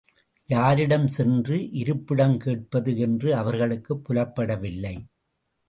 யாரிடம் சென்று இருப்பிடம் கேட்பது என்று அவர்களுக்குப் புலப்படவில்லை.